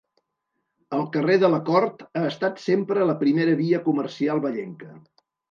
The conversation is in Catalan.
El carrer de la Cort ha estat sempre la primera via comercial vallenca.